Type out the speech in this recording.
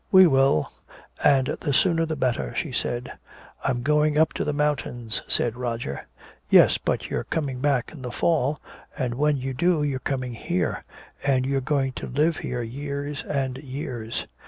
"We will, and the sooner the better!" she said. "I'm going up to the mountains," said Roger. "Yes, but you're coming back in the fall, and when you do you're coming here! And you're going to live here years and years!"